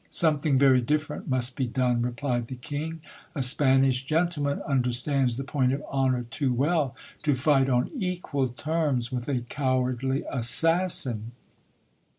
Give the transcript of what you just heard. Some thing very different must be done, replied the King : a Spanish gentleman un derstands the point of honour too well to fight on equal terms with a cowardly assassin.